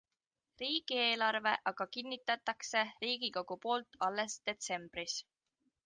Riigieelarve aga kinnitatakse riigikogu poolt alles detsembris.